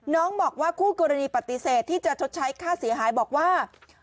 น้องบอกว่าคู่กรณีปฏิเสธที่จะชดใช้ค่าเสียหายบอกว่า